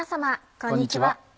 こんにちは。